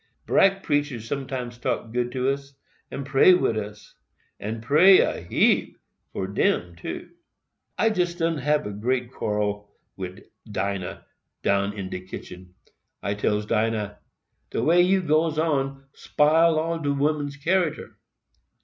Brack preachers sometimes talk good to us, and pray wid us,—and pray a heap for DEM too. "I jest done hab great quarrel wid Dinah, down in de kitchen. I tells Dinah, 'De way you goes on spile all do women's character.